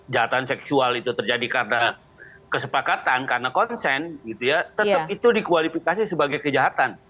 jahatan seksual itu terjadi karena kesepakatan karena konsen gitu ya tetap itu dikualifikasi sebagai kejahatan